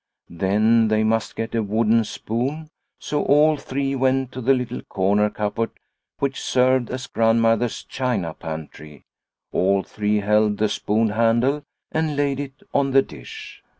Then they must get a wooden spoon, so all three went to the little corner cupboard which served as Grandmother's china pantry, all three held the spoon handle, and laid it on the dish.